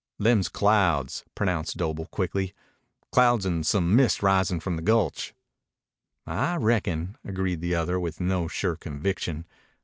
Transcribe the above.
"Them's clouds," pronounced Doble quickly. "Clouds an' some mist risin' from the gulch." "I reckon," agreed the other, with no sure conviction.